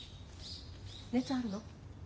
熱あるの？